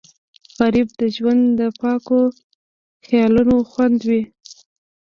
غریب د ژوند د پاکو خیالونو خاوند وي